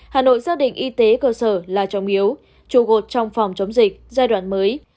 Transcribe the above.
hà nội xác định y tế cơ sở là trọng yếu trụ cột trong phòng chống dịch giai đoạn mới